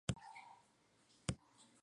Andrews en Escocia en más de cuarenta años.